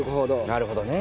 なるほどね。